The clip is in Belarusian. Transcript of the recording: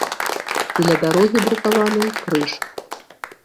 І ля дарогі брукаванай крыж.